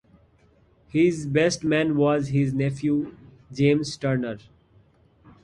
His best man was his nephew James Turner.